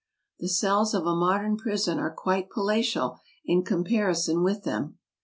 The cells of a modern prison are quite palatial in comparison with them.